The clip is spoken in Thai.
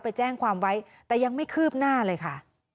ไปแจ้งความไว้แต่ยังไม่คืบหน้าเลยค่ะ